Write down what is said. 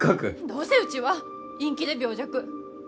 どうせうちは陰気で病弱。